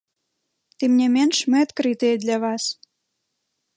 Тым не менш, мы адкрытыя для вас.